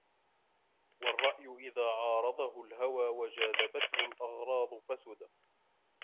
وَالرَّأْيُ إذَا عَارَضَهُ الْهَوَى وَجَاذَبَتْهُ الْأَغْرَاضُ فَسَدَ